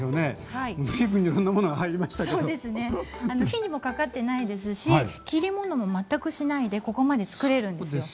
火にもかかってないですし切り物も全くしないでここまで作れるんですよ。